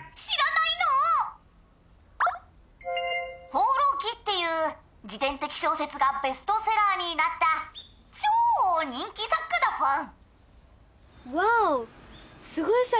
「『放浪記』っていう自伝的小説がベストセラーになった超人気作家だフォン」